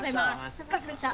お疲れさまでした。